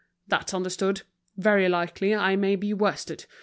that's understood. Very likely I may be worsted.